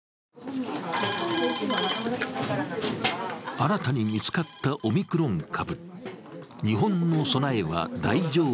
新たに見つかったオミクロン株。